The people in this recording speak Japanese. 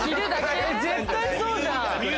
絶対そうじゃん！